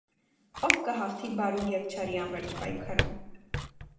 Ո՞ վ կհաղթի բարու և չարի անվերջ պայքարում։